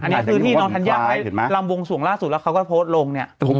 อันนี้คือที่น้องธัญญาไว้ลำวงสวงล่าสุดแล้วเขาก็โพสต์ลงเนี่ย